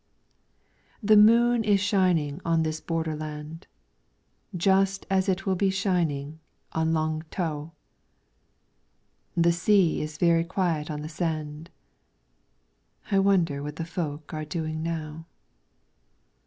The moon is shining on this borderland, Just as it will be shining on Lung t'ow. The sea is very quiet on the sand ; I wonder what the folk are doing now.